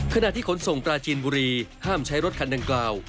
ขณะที่ขนส่งปลาจีนบุรีห้ามใช้รถคันดังกล่าว